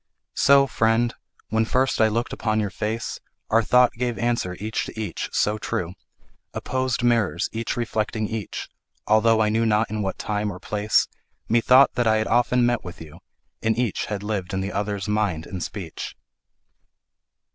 So, friend, when first I look'd upon your face, Our thought gave answer each to each, so true— Opposed mirrors each reflecting each— Altho' I knew not in what time or place, Methought that I had often met with you, And each had lived in the other's mind and speech.